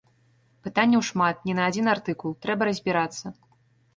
Пытанняў шмат, не на адзін артыкул, трэба разбірацца.